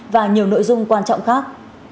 và nhiều nội dung quan trọng khác